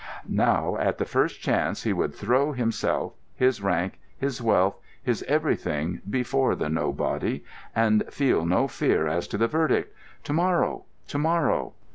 Now, at the first chance, he would throw himself, his rank, his wealth, his everything before the nobody, and feel no fear as to the verdict. To morrow—to morrow!